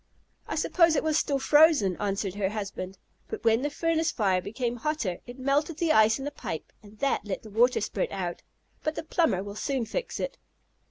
"I suppose it was still frozen," answered her husband. "But when the furnace fire became hotter it melted the ice in the pipe and that let the water spurt out. But the plumber will soon fix it."